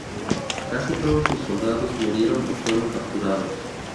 Casi todos sus soldados murieron o fueron capturados.